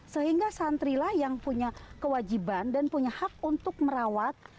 sehingga santrilah yang punya kewajiban dan punya hak untuk merawat